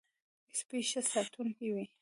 سپي ښه ساتونکی وي.